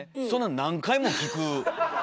そんな何回も聞く。